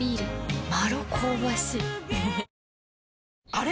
あれ？